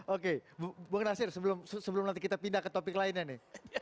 oke bung nasir sebelum nanti kita pindah ke topik lainnya nih